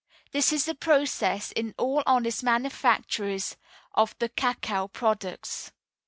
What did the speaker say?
This is the process in all honest manufactories of the cacao products.